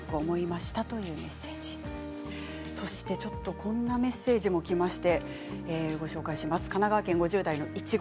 こんなメッセージもきました。